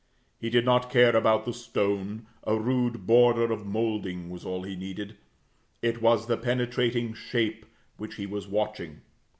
He did not care about the stone, a rude border of moulding was all he needed, it was the penetrating shape which he was watching.